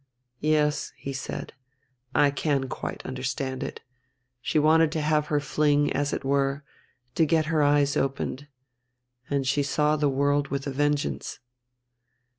"Yes," he said, "I can quite understand it. She wanted to have her fling, as it were, to get her eyes opened. And she saw the world with a vengeance."